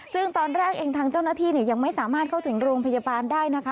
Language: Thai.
ซึ่งตอนแรกเองทางเจ้าหน้าที่ยังไม่สามารถเข้าถึงโรงพยาบาลได้นะคะ